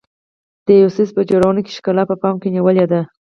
د یو څیز په جوړونه کې ښکلا په پام کې نیولې ده.